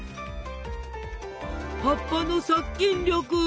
葉っぱの殺菌力！